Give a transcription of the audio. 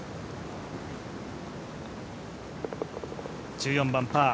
１４番パー。